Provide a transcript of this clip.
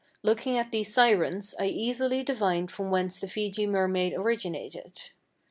Looking at these "sirens" I easily divined from whence the Fejee mermaid originated.